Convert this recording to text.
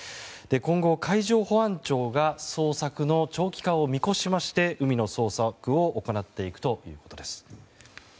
今後、海上保安庁が捜索の長期化を見越しまして、海の捜索を行っていくということです。